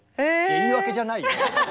言い訳じゃないよ。